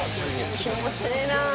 気持ちいいな。